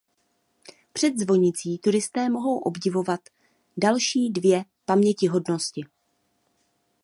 Před zvonicí turisté mohou obdivovat další dvě pamětihodnosti.